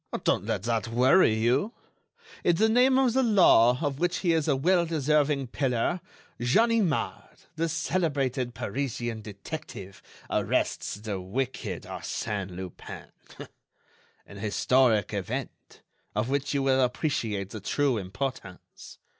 "Don't let that worry you! In the name of the law, of which he is a well deserving pillar, Ganimard, the celebrated Parisian detective, arrests the wicked Arsène Lupin. An historic event, of which you will appreciate the true importance....